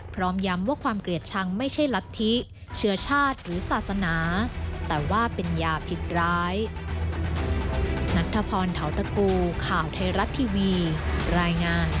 พร้อมย้ำว่าความเกลียดชังไม่ใช่ลัทธิเชื้อชาติหรือศาสนาแต่ว่าเป็นยาผิดร้าย